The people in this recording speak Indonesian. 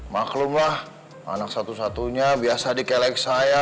maklumlah anak satu satunya biasa dikelek saya